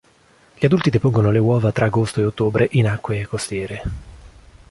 Gli adulti depongono le uova tra agosto e ottobre in acque costiere.